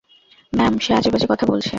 Ma'am, সে আজেবাজে কথা বলছে।